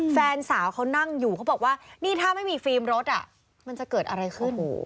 แฟนสาวเขานั่งอยู่เขาบอกว่านี่ถ้าไม่มีฟิล์มรถมันจะเกิดอะไรขึ้น